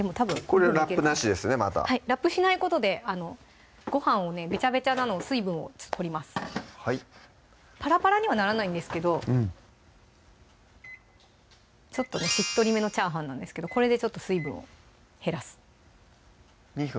これはラップなしですねまたはいラップしないことでご飯をベチャベチャなのを水分を取りますパラパラにはならないんですけどちょっとねしっとりめのチャーハンなんですけどこれでちょっと水分を減らす２分？